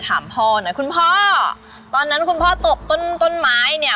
ถามพ่อหน่อยคุณพ่อตอนนั้นคุณพ่อตกต้นต้นไม้เนี่ย